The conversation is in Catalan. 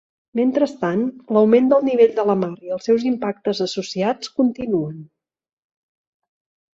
Mentrestant, l’augment del nivell de la mar i els seus impactes associats continuen.